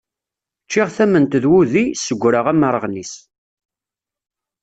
Ččiɣ tament d wudi, ssegreɣ amerɣennis.